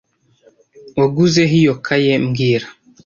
Waguze he iyo kaye mbwira